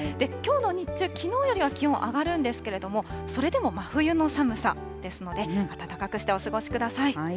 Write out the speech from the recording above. きょうの日中、きのうよりは気温、上がるんですけれども、それでも真冬の寒さですので、暖かくしてお過ごしください。